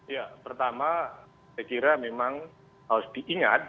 ya pertama saya kira memang harus diingat